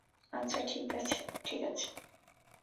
আচ্ছা, ঠিক আছে, ঠিক আছে, ঠিক আছে।